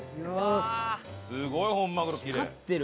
すごい本マグロきれい。